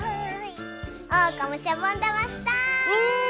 おうかもしゃぼんだましたい！